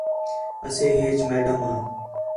اَسے ہیچ میڈم آ